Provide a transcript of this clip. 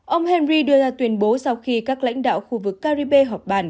ông henry đưa ra tuyên bố sau khi các lãnh đạo khu vực caribe họp bàn